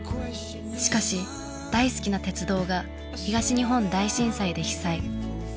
しかし大好きな鉄道が東日本大震災で被災。